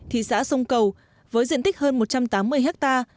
thị xã sông cầu với diện tích hơn một trăm tám mươi hectare